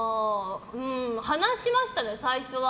話しましたね、最初は。